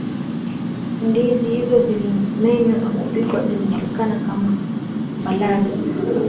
ndizi hizo zilimenywa na kupikwa zilijulikana kama mbalaga